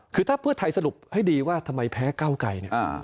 คือถ้าเพื่อไทยสรุปให้ดีว่าทำไมแพ้เก้าไกรเนี่ย